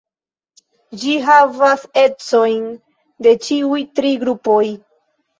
Ĝi havas ecojn de ĉiuj tri grupoj.